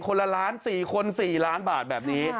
ละล้าน๔คน๔ล้านบาทแบบนี้